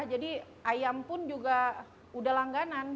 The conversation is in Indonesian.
jadi ayam pun juga udah langganan